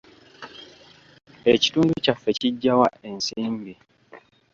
Ekitundu kyaffe kiggya wa ensimbi?